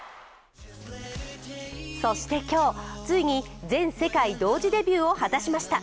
そして今日、ついに全世界同時デビューを果たしました。